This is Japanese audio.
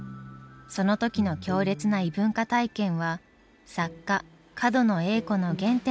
その時の強烈な異文化体験は作家角野栄子の原点となりました。